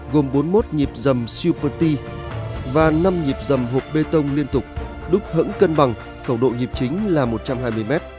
gồm bốn mươi một nhịp dầm super t và năm nhịp dầm hộp bê tông liên tục đúc hẫng cân bằng khẩu độ nhịp chính là một trăm hai mươi m